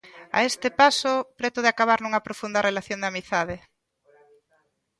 A este paso, preto de acabar nunha profunda relación de amizade.